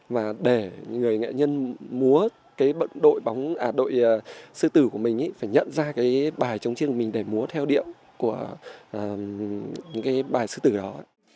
và để người nghệ nhân múa đội sư tử của mình phải nhận ra bài chống chiêng của mình để múa theo điểm của bài sư tử đó